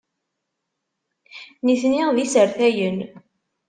Nitni d isertayen.